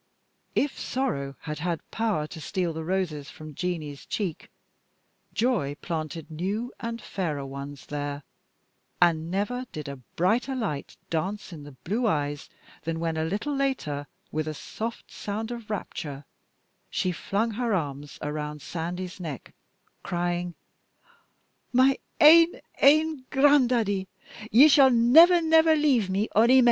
If sorrow had had power to steal the roses from Jeanie's cheek, joy planted new and fairer ones there; and never did a brighter light dance in the blue eyes than when, a little later, with a soft sound of rapture, she flung her arms around Sandy's neck, crying, "My ain, ain gran'daddie, ye s'all never, never leave me ony mair!"